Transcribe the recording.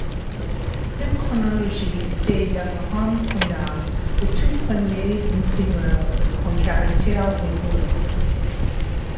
Cette chronologie fait d'Abraham Conat le tout premier imprimeur en caractères hébreux.